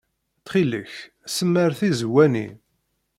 Ttxil-k, semmeṛ tizewwa-nni.